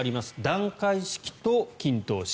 段階式と均等式。